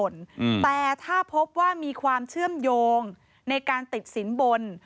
อืมแต่ถ้าพบว่ามีความเชื่อมโยงในการติดสินบน